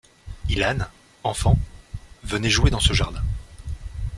Ilan, enfant, venait jouer dans ce jardin.